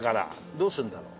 どうするんだろう？